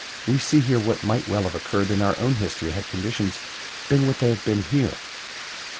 We see here what might well have occurred in our own history had conditions been what they have been here.